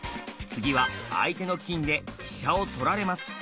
次は相手の金で飛車を取られます。